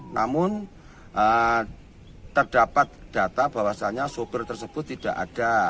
namun terdapat data bahwasannya sopir tersebut tidak ada